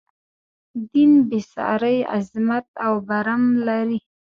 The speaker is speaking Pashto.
دین بې ساری عظمت او برم لري.